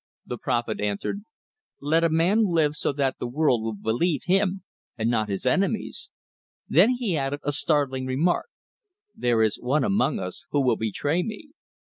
The prophet answered, "Let a man live so that the world will believe him and not his enemies." Then he added a startling remark. "There is one among us who will betray me."